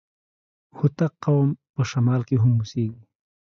هوتک قوم په شمال کي هم اوسېږي.